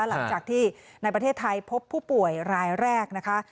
หลังจากที่ในประเทศไทยพบผู้ป่วยรายแรกนะคะ